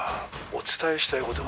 お伝えしたいこと？